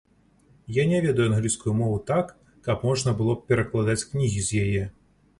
Я не ведаю англійскую мову так, каб можна было б перакладаць кнігі з яе.